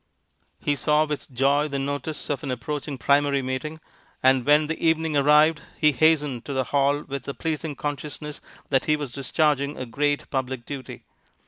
He saw with joy the notice of an approaching primary meeting, and when the evening arrived he hastened to the hall with the pleasing consciousness that he was discharging a great public duty.